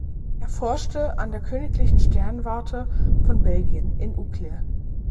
Er forschte an der Königlichen Sternwarte von Belgien in Uccle.